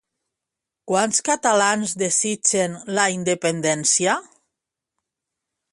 Quants catalans desitgen la independència?